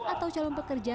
atau calon pekerja